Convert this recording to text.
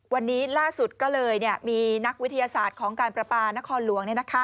วันนี้ล่าสุดก็เลยมีนักวิทยาศาสตร์ของการประปานครหลวง